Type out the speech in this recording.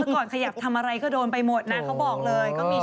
ก่อนขยับทำอะไรก็โดนไปหมดนะเขาบอกเลย